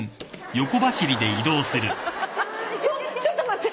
ちょっちょっと待って！